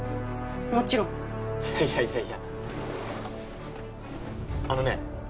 もちろんいやいやいやいやあのね